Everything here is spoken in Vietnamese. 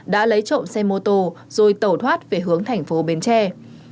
đã lấy trộm xe mô tô rồi tẩu thoát về hướng thành phố bến tre